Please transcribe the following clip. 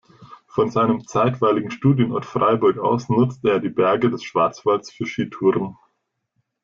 Von seinem zeitweiligen Studienort Freiburg aus nutzte er die Berge des Schwarzwalds für Skitouren.